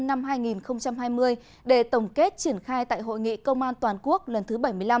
năm hai nghìn hai mươi để tổng kết triển khai tại hội nghị công an toàn quốc lần thứ bảy mươi năm